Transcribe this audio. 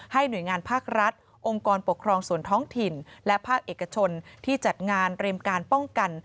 หน่วยงานภาครัฐองค์กรปกครองส่วนท้องถิ่นและภาคเอกชนที่จัดงานเรียมการป้องกัน